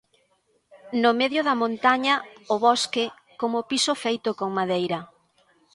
No medio da montaña, o bosque, como piso feito con madeira.